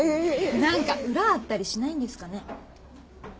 何か裏あったりしないんですかね。